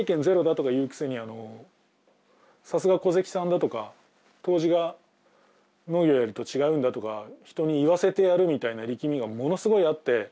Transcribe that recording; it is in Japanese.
ゼロだとか言うくせに「さすが古関さんだ」とか「杜氏が農業やると違うんだ」とか人に言わせてやるみたいな力みがものすごいあって。